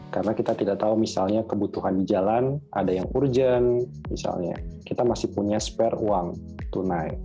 karena kita tidak tahu misalnya kebutuhan di jalan ada yang urgent misalnya kita masih punya spare uang tunai